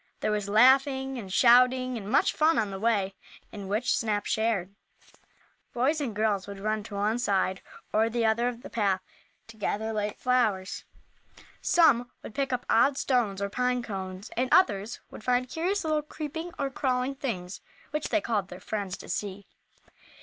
There was laughing and shouting, and much fun on the way, in which Snap shared. Boys and girls would run to one side or the other of the path to gather late flowers. Some would pick up odd stones, or pine cones, and others would find curious little creeping or crawling things which they called their friends to see.